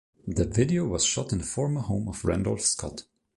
The video was shot in the former home of Randolph Scott.